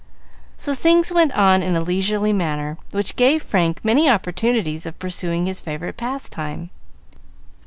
So things went on in a leisurely manner, which gave Frank many opportunities of pursuing his favorite pastime.